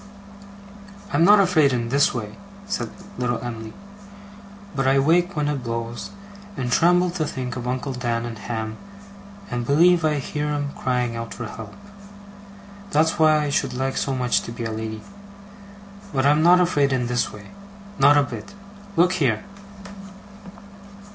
'I'm not afraid in this way,' said little Em'ly. 'But I wake when it blows, and tremble to think of Uncle Dan and Ham and believe I hear 'em crying out for help. That's why I should like so much to be a lady. But I'm not afraid in this way. Not a bit. Look here!